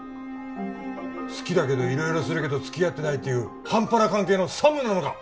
好きだけど色々するけど付き合ってないっていうハンパな関係のサムなのか？